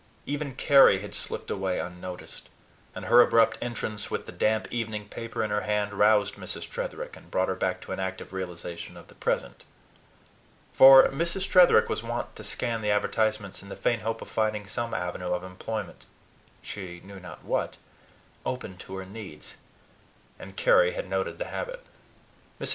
Even Carry had slipped away unnoticed; and her abrupt entrance with the damp evening paper in her hand roused Mrs. Tretherick, and brought her back to an active realization of the present. For Mrs. Tretherick was wont to scan the advertisements in the faint hope of finding some avenue of employment she knew not what open to her needs; and Carry had noted this habit. Mrs.